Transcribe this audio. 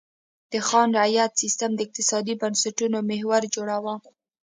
د خان رعیت سیستم د اقتصادي بنسټونو محور جوړاوه.